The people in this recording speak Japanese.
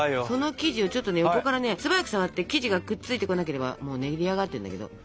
その生地をちょっとね横からね素早く触って生地がくっついてこなければもう練り上がってんだけど。